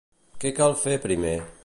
Què cal fer primer?